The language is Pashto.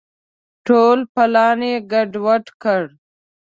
ټول پلان یې ګډ وډ کړ.